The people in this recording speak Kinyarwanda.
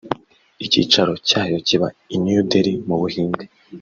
Icyicaro cyayo kiba i New Delhi mu Buhinde